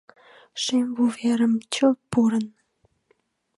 Шем вуверым чылт пурын